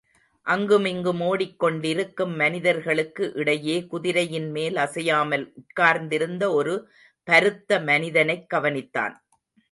அங்கு மிங்கும் ஓடிக் கொண்டிருக்கும் மனிதர்களுக்கு இடையே குதிரையின்மேல் அசையாமல் உட்கார்ந்திருந்த ஒரு பருத்த மனிதனைக் கவனித்தான்.